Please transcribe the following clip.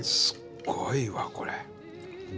すごいわこれ。